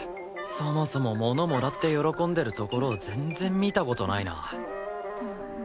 そもそもものもらって喜んでるところを全然見た事ないな。